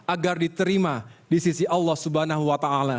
agar diterima di sisi allah swt